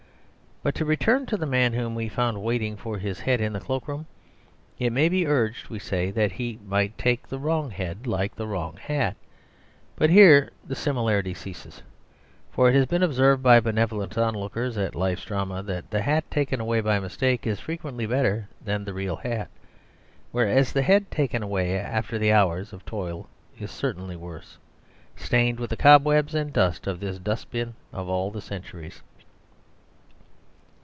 But to return to the man whom we found waiting for his head in the cloak room. It may be urged, we say, that he might take the wrong head, like the wrong hat; but here the similarity ceases. For it has been observed by benevolent onlookers at life's drama that the hat taken away by mistake is frequently better than the real hat; whereas the head taken away after the hours of toil is certainly worse: stained with the cobwebs and dust of this dustbin of all the centuries.